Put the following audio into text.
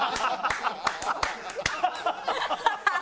ハハハハ！